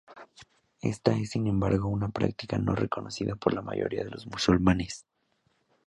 Esta es sin embargo una práctica no reconocida por la mayoría de los musulmanes.